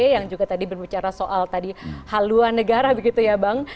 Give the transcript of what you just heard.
yang juga tadi berbicara soal tadi haluan negara begitu ya bang